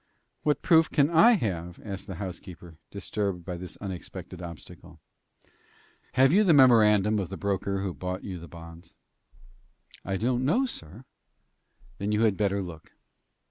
"What proof can I have?" asked the housekeeper, disturbed by this unexpected obstacle. "Have you the memorandum of the broker who bought you the bonds." "I don't know, sir." "Then you had better look."